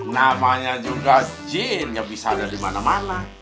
namanya juga jin yang bisa ada dimana mana